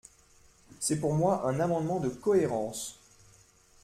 C’est pour moi un amendement de cohérence.